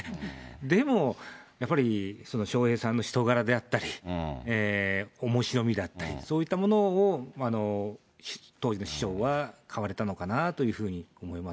でもやっぱり笑瓶さんの人柄であったり、おもしろみだったり、そういったものを当時の師匠は買われたのかなというふうに思いま